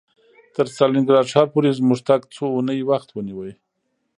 تر ستالینګراډ ښار پورې زموږ تګ څو اونۍ وخت ونیو